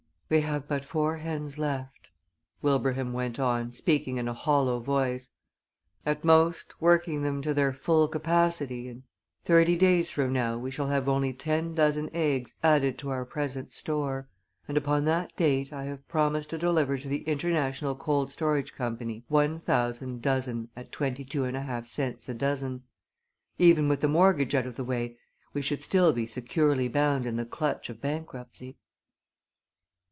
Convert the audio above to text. "We have but four hens left," Wilbraham went on, speaking in a hollow voice. "At most, working them to their full capacity, in thirty days from now we shall have only ten dozen eggs added to our present store, and upon that date I have promised to deliver to the International Cold Storage Company one thousand dozen at twenty two and a half cents a dozen. Even with the mortgage out of the way we should still be securely bound in the clutch of bankruptcy."